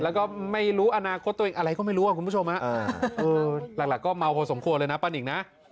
แล้วก็ไม่รู้อนาคตตัวเองอะไรก็ไม่รู้คุณผู้ชมหลักก็เมาพอสมควรเลยนะป้านิ่งนะ